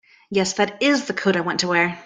Yes, that IS the coat I want to wear.